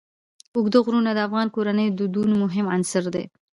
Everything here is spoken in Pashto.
اوږده غرونه د افغان کورنیو د دودونو مهم عنصر دی.